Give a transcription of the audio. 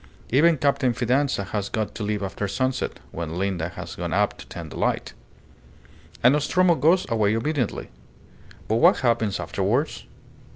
Even Captain Fidanza has got to leave after sunset, when Linda has gone up to tend the light. And Nostromo goes away obediently. But what happens afterwards?